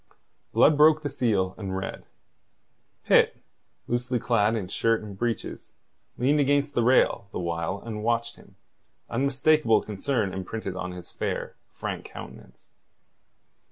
Blood broke the seal, and read. Pitt, loosely clad in shirt and breeches, leaned against the rail the while and watched him, unmistakable concern imprinted on his fair, frank countenance.